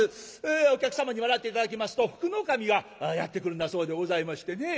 お客様に笑って頂きますと福の神がやって来るんだそうでございましてね。